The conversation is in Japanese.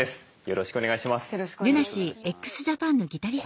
よろしくお願いします。